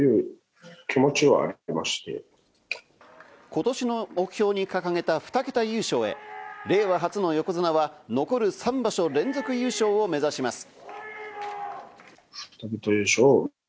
今年の目標に掲げた２桁優勝へ令和初の横綱は残る３場所連続優勝を目指します。